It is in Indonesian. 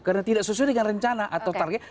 karena tidak sesuai dengan rencana atau target